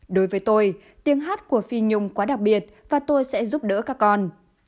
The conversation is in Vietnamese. đối với tôi tiếng hát của phi nhung quá đặc biệt và tôi sẽ giúp đỡ các con